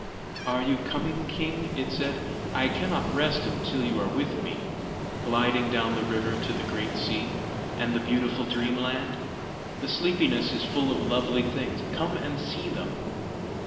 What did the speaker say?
"Are you coming, king?" it said. "I cannot rest until you are with me, gliding down the river to the great sea, and the beautiful dream land. The sleepiness is full of lovely things: come and see them."